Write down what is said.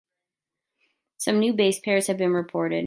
Some new base pairs have been reported.